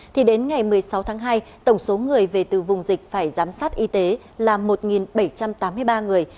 thì đến ngày một mươi sáu tháng hai tổng số người về từ vùng dịch phải giám sát y tế là một bảy trăm tám mươi ba người